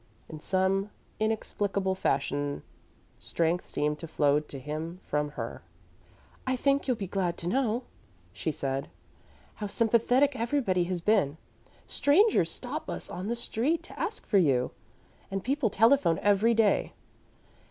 In some inexplicable fashion strength seemed to flow to him from her. "I think you'll be glad to know," she said, "how sympathetic everybody has been. Strangers stop us on the street to ask for you, and people telephone every day.